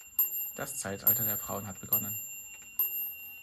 Das Zeitalter der Frauen hat begonnen!